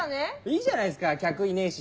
いいじゃないっすか客いねえし。